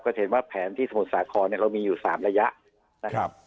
จะเห็นว่าแผนที่สมุทรสาครเรามีอยู่๓ระยะนะครับ